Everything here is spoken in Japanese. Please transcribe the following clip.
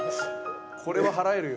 これは払えるよ。